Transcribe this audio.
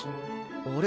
あれ？